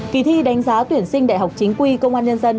kỳ thi đánh giá tuyển sinh đại học chính quy công an nhân dân